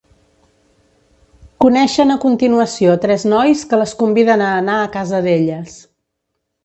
Coneixen a continuació tres nois que les conviden a anar a casa d'elles.